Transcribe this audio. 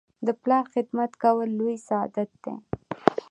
د پلار خدمت کول لوی سعادت دی.